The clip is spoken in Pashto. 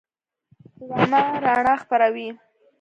ډرامه رڼا خپروي